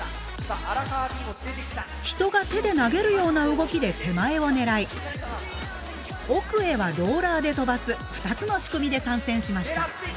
人が手で投げるような動きで手前を狙い奥へはローラーで飛ばす２つの仕組みで参戦しました。